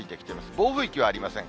暴風域はありません。